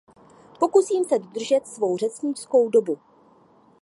Pokusím se dodržet svou řečnickou dobu.